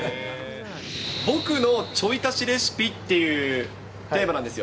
僕のちょい足しレシピっていうテーマなんですよ。